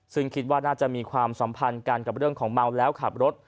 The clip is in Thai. ซึ่งคิดว่าน่าจะมีความสัมพันธ์กันกับเรื่องของเมาแล้วขับรถ